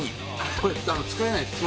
これ使えないです。